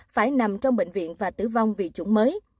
phải nằm trong bệnh viện và tử vong vì chủng mới